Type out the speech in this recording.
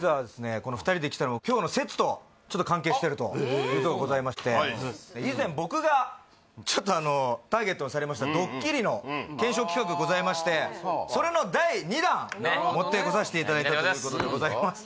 この２人で来たのはというのがございまして以前僕がちょっとあのターゲットにされましたドッキリの検証企画がございましてそれの第２弾を持ってこさせていただいたということでございます